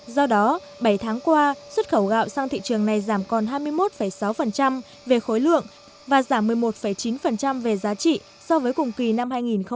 do đó bảy tháng qua xuất khẩu gạo sang thị trường này giảm còn hai mươi một sáu về khối lượng và giảm một mươi một chín về giá trị so với cùng kỳ năm hai nghìn một mươi tám